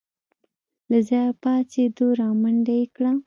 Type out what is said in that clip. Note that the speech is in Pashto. له ځايه پاڅېد رامنډه يې کړه.